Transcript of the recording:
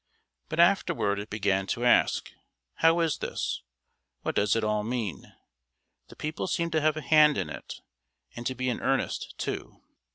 But afterward it began to ask: "How is this? What does it all mean? The people seem to have a hand in it, and to be in earnest, too."